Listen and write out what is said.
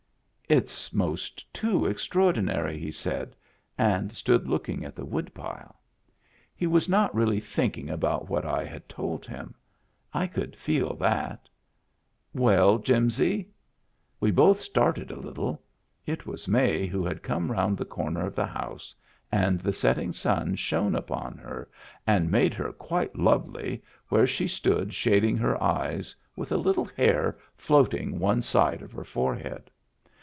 "It's most too extraordinary," he said, and stood looking at the woodpile. He was not really Digitized by Google 304 MEMBERS OF THE FAMILY thinking about what I had told him; I could fed that "Well, Jimsy!" We both started a little. It was May, who had come round the comer of the house, and the setting sun shone upon her and made her quite lovely, where she stood shading her eyes, with a little hair floating one side of her forehead.